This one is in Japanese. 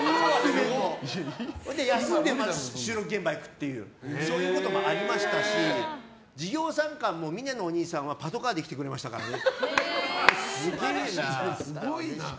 それで休んでまた収録現場に行くっていうそういうこともありましたし授業参観もお兄さんはパトカーで来てくれましたからね。